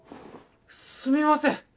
すみません！